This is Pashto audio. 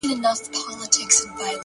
گراني زر واره درتا ځار سمه زه ـ